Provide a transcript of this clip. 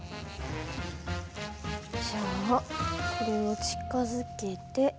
じゃあこれを近づけて。